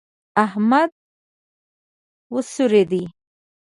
احمد وسورېدی.